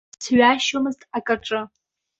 Сҩашьомызт акаҿы.